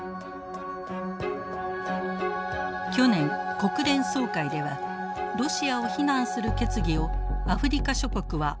去年国連総会ではロシアを非難する決議をアフリカ諸国は相次いで棄権。